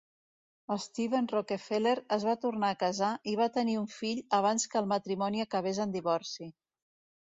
Steven Rockefeller es va tornar a casar i va tenir un fill abans que el matrimoni acabés en divorci.